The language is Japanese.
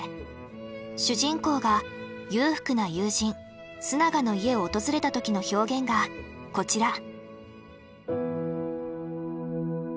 主人公が裕福な友人須永の家を訪れた時の表現がこちら。